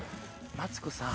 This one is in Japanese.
マツコさん